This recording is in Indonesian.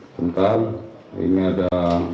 bentar ini ada